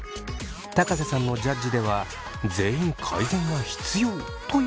瀬さんのジャッジでは全員「改善が必要！」という結果に。